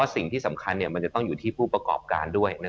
สิ่งที่สำคัญมันจะต้องอยู่ที่ผู้ประกอบการด้วย